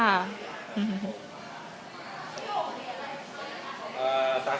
ขอบคุณค่ะ